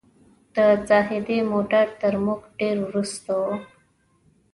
د زاهدي موټر تر موږ ډېر وروسته و.